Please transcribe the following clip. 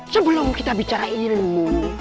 sebelum kita bicara ilmu